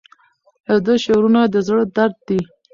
د ده شعرونه د زړه درد دی.